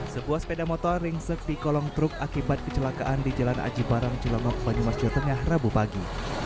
sebuah sepeda motor ringsek di kolong truk akibat kecelakaan di jalan aji barang cilomok banyumas jawa tengah rabu pagi